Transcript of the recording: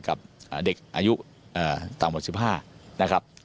กับเด็กอายุต่ำกว่า๑๕นะครับ